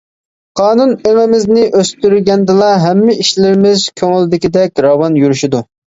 قانۇن ئېڭىمىزنى ئۆستۈرگەندىلا ھەممە ئىشلىرىمىز كۆڭۈلدىكىدەك، راۋان يۈرۈشىدۇ.